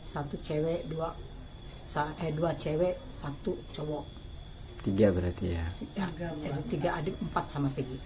satu cewek dua eh dua cewek satu cowok tiga berarti ya jadi tiga adik empat sama vg